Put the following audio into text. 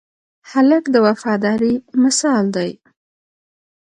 هلک د وفادارۍ مثال دی.